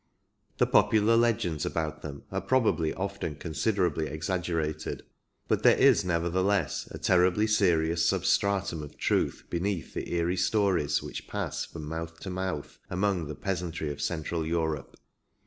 The popular legends about them are probably often considerably exaggerated, but there is nevertheless a terribly serious sub stratum of truth beneath the eerie stories which pass from mouth to mouth among the peasantry of Central Europe.